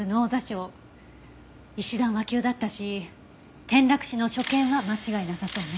石段は急だったし転落死の所見は間違いなさそうね。